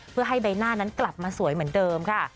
เพื่อให้ใบหน้านั้นกลับมาสวยเหมือนเดิมค่ะ